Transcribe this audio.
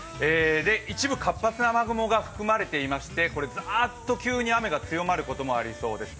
一部活発な雨雲が含まれていまして、ザーッと急に雨が強まることもありそうです。